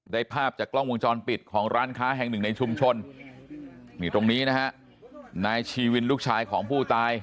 ภาพจากกล้องวงจรปิดของร้านค้าแห่งหนึ่งในชุมชนนี่ตรงนี้นะฮะนายชีวินลูกชายของผู้ตาย